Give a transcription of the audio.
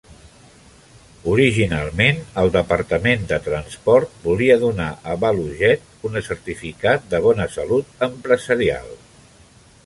Originalment, el Departament de Transport volia donar a ValuJet un certificat de "bona salut" empresarial.